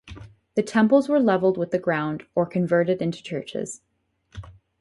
The temples were leveled with the ground or converted into churches.